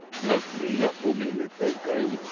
さすがおめがたかい。